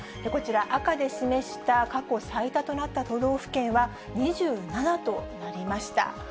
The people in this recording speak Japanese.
こちら、赤で示した過去最多となった都道府県は、２７となりました。